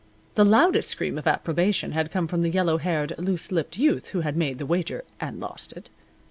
The loudest scream of approbation had come from the yellow haired, loose lipped youth who had made the wager, and lost it.